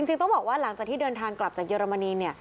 จริงต้องบอกว่าหลังจากที่เดินทางกลับจากเยอรมณี